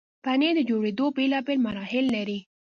پنېر د جوړېدو بیلابیل مراحل لري.